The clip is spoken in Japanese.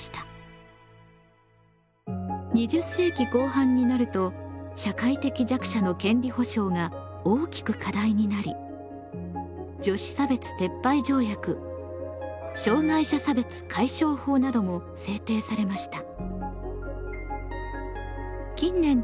２０世紀後半になると社会的弱者の権利保障が大きく課題になり女子差別撤廃条約障害者差別解消法なども制定されました。